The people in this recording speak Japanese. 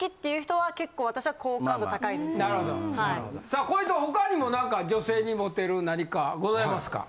さあ鯉斗は他にもなんか女性にモテる何かございますか？